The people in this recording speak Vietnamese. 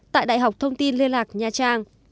tại đại học thông tin liên lạc nha trang